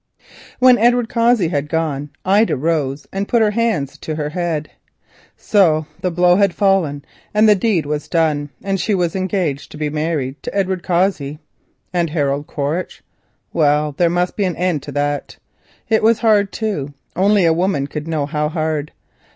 When Edward Cossey had gone, Ida rose and put her hands to her head. So the blow had fallen, the deed was done, and she was engaged to be married to Edward Cossey. And Harold Quaritch! Well, there must be an end to that. It was hard, too—only a woman could know how hard.